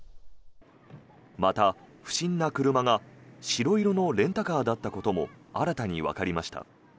また、不審な車が白色のレンタカーだったことも新たにわかりました。